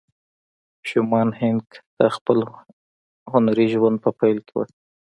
شومان هینک د خپل هنري ژوند په پیل کې وه